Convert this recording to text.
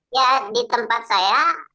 ya di tempat saya